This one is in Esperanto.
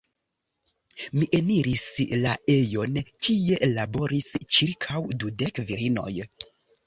Mi eniris la ejon, kie laboris ĉirkaŭ dudek virinoj.